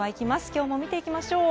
今日も見ていきましょう。